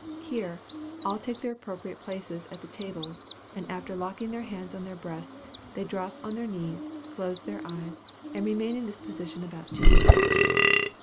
Here, all take their appropriate places at the tables, and after locking their hands on their breasts, they drop on their knees, close their eyes, and remain in this position about two minutes.